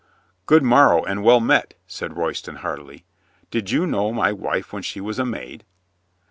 "Good morrow and well met," said Royston heartily. "Did you know my wife when she was a maid?"